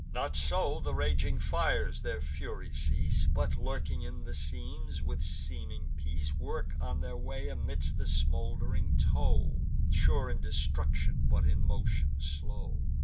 Not so the raging fires their fury cease, But, lurking in the seams, with seeming peace, Work on their way amid the smould'ring tow, Sure in destruction, but in motion slow.